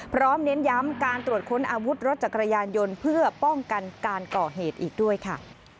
เน้นย้ำการตรวจค้นอาวุธรถจักรยานยนต์เพื่อป้องกันการก่อเหตุอีกด้วยค่ะ